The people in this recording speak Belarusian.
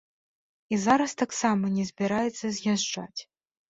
І зараз таксама не збіраецца з'язджаць.